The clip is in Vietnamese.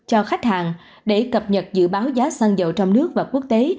vpi có các gói tài khoản cho khách hàng để cập nhật dự báo giá xăng dầu trong nước và quốc tế